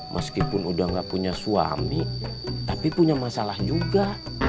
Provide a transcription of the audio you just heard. meskipun udah gak punya suami tapi punya masalah juga